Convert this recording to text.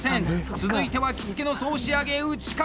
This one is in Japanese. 続いては着付の総仕上げ、打掛。